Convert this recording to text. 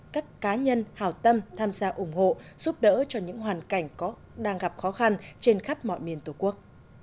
các cá nhân hào tâm tham gia ủng hộ giúp đỡ cho những hoàn cảnh đang gặp khó khăn trên khắp mọi miền tổ quốc